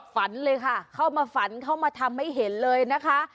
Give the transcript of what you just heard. ฝันเลยค่ะเข้ามาฝันเข้ามาทำให้เห็นเลยนะคะ